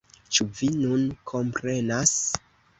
Ĉu vi nun komprenas?